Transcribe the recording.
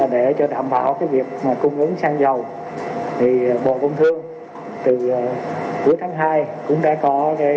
để đảm bảo việc cung ứng sang dầu bộ công thương từ cuối tháng hai cũng đã có